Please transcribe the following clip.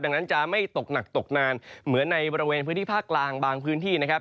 ดังนั้นจะไม่ตกหนักตกนานเหมือนในบริเวณพื้นที่ภาคกลางบางพื้นที่นะครับ